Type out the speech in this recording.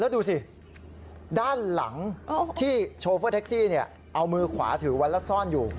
แล้วดูสิด้านหลังที่โชเฟอร์แท็กซี่เอามือขวาถือไว้แล้วซ่อนอยู่